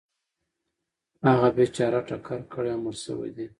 هغه بیچاره ټکر کړی او مړ شوی دی .